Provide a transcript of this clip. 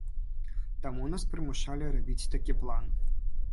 Таму нас прымушалі рабіць такі план.